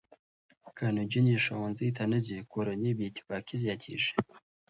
که نجونې ښوونځي ته نه ځي، کورني بې اتفاقي زیاتېږي.